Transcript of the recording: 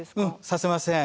させません。